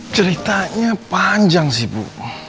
ceritanya panjang sih ibu